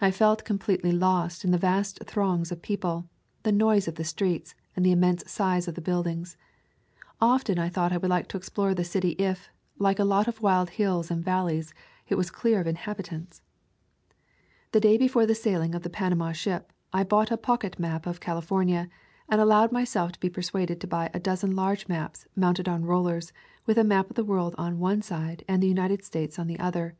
I felt completely lost in the vast throngs of people, the noise of the streets, and the immense size of the buildings. Often I thought I would like to explore the city if, like a lot of wild hills and valleys, it was clear of inhabitants. The day before the sailing of the Panama ship I bought a pocket map of California and allowed myself to be persuaded to buy a dozen large maps, mounted on rollers, with a map of the world on one side and the United States on the other.